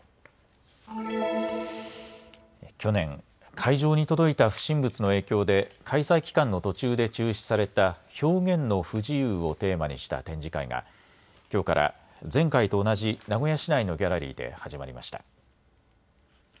去年、会場に届いた不審物の影響で開催期間の途中で中止された表現の不自由をテーマにした展示会がきょうから前回と同じ名古屋市内のギャラリーで始まりました。